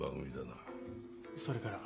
それから？